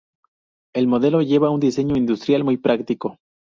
El modelo lleva un diseño industrial muy práctico.